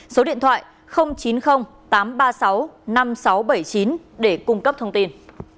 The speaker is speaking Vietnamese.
số điện thoại chín mươi tám trăm ba mươi sáu năm nghìn sáu trăm bảy mươi chín để cung cấp thông tin